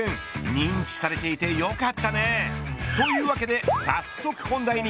認知されていて、よかったね。というわけで、早速本題に。